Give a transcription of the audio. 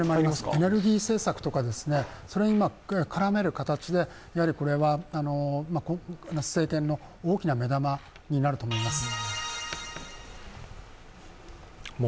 エネルギー政策とか、それに絡める形で今政権の大きな目玉になると思います。